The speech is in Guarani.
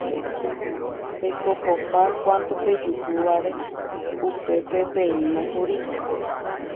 pekopopa cuanto pejuhúvare upépepeínakuri